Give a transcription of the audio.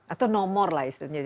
atau nomor lah istilahnya